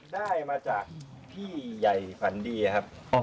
ได้มาจากพี่ใหญ่ฝันดีครับ